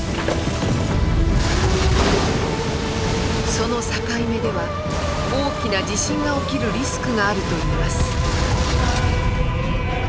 その境目では大きな地震が起きるリスクがあるといいます。